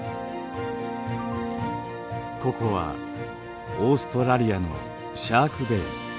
ここはオーストラリアのシャークベイ。